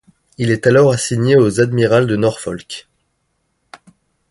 Il est alors assigné aux Admirals de Norfolk.